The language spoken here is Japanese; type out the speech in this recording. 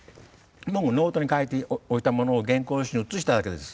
僕がノートに書いておいたものを原稿用紙に写しただけです。